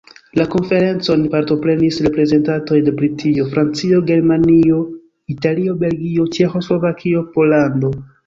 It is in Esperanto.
La konferencon partoprenis reprezentantoj de Britio, Francio, Germanio, Italio, Belgio, Ĉeĥoslovakio, Pollando.